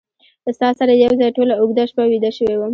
ستا سره یو ځای ټوله اوږده شپه ویده شوی وم